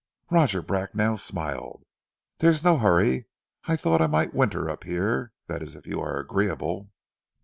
Roger Bracknell smiled. "There is no hurry. I thought I might winter up here that is if you are agreeable."